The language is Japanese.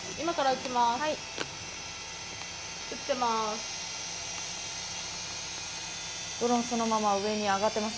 撃ってます。